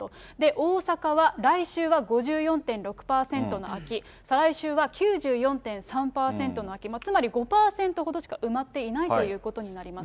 大阪は、来週は５４．６％の空き、再来週は９４．３％の空き、つまり５％ほどしか埋まっていないということになります。